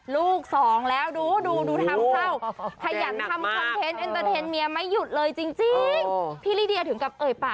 ลูกสองแล้วดูดูดูทำเศร้า